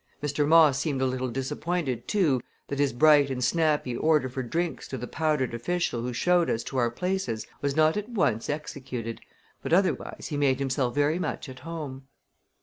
Mr. Moss seemed a little disappointed, too, that his bright and snappy order for drinks to the powdered official who showed us to our places was not at once executed; but otherwise he made himself very much at home.